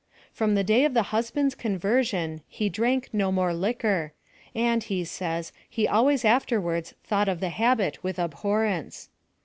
From the day of the husband's conversion, he drank no more liquor, and, he says he always afterwards thought of the habit with ab horrence.